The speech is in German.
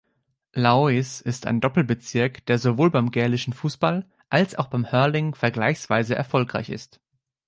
Laois ist ein Doppelbezirk, der sowohl beim gälischen Fußball als auch beim Hurling vergleichsweise erfolgreich ist.